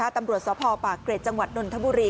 ตำรวจเชาะภอกปากเกรดจังหวัดคมนทบุรี